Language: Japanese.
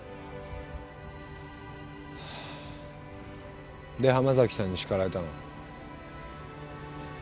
はぁーで濱崎さんに叱られたの？